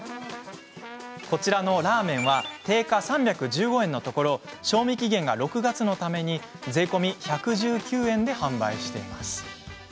こちらのラーメンは定価３１５円のところ賞味期限が６月のため税込み１１９円で販売しています。